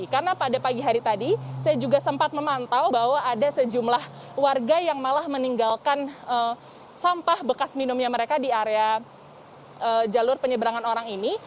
karena pada pagi hari tadi saya juga sempat memantau bahwa ada sejumlah warga yang malah meninggalkan sampah bekas minumnya mereka di area jalur penyeberangan orang ini